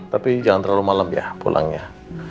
tapi jangan terlalu malam ya pulangnya